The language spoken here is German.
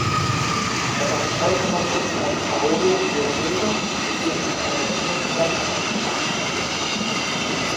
Er war ein Zeitgenosse von Paolo Veronese, mit dem ihn eine enge Zusammenarbeit verband.